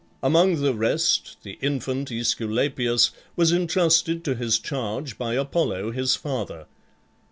Among the rest the infant Aesculapius was intrusted to his charge by Apollo, his father.